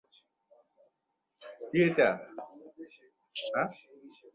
লেজকে তো দড়ি মনে হইবেই।